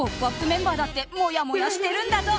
メンバーだってもやもやしてるんだぞ！